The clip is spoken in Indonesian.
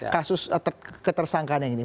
kasus ketersangkanya ini